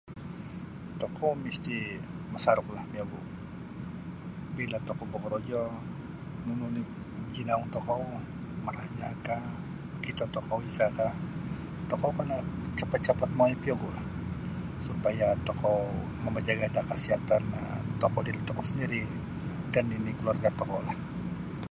Tokou misti masaruklah miyogu bila tokou bokorojo nunu oni jinaung tokou maranyahkah makito tokou isakah tokou kana capat-capat mongoi piyogulah supaya tokou mamajaga da kasihatan diri tokou sendiri dan nini keluarga tokoulah.